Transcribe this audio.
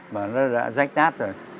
mà nó đã rách nát rồi